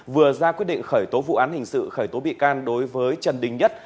vừa ra quyết định khởi tố vụ án hình sự khởi tố bị can đối với trần đình nhất